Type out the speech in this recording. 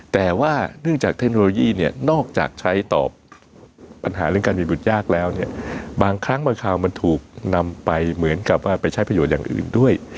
แต่ว่าเนื่องจากเทคโนโลยีเนี่ยนอกจากใช้ตอบปัญหาเรื่องการมีบุตรยากแล้วเนี่ยบางครั้งบางคราวมันถูกนำไปเหมือนกับว่าไปใช้ประโยชน์อย่างอื่นด้วย